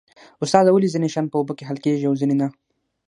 استاده ولې ځینې شیان په اوبو کې حل کیږي او ځینې نه